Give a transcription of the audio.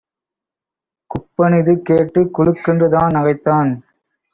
குப்பனிது கேட்டுக் குலுக்கென்று தான்நகைத்தான்.